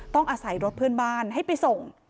ต้องอาศัยรถเพื่อนบ้านให้ไปส่ง